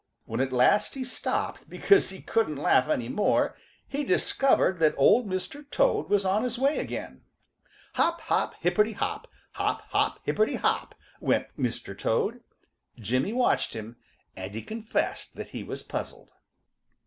When at last he stopped because he couldn't laugh any more, he discovered that Old Mr. Toad was on his way again. Hop, hop, hipperty hop, hop, hop, hipperty hop went Mr. Toad. Jimmy watched him, and he confessed that he was puzzled.